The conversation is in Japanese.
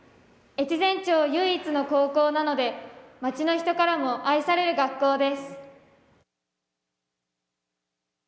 越前町唯一の高校なので町の人からも愛される学校です。